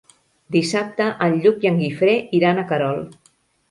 Dissabte en Lluc i en Guifré iran a Querol.